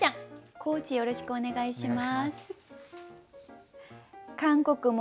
コーチよろしくお願いします。